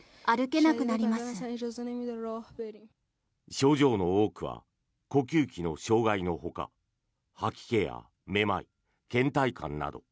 招状の多くは呼吸器の障害のほか吐き気やめまい、けん怠感など。